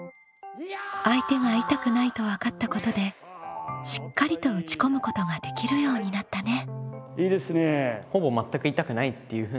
相手が痛くないと分かったことでしっかりと打ち込むことができるようになったね。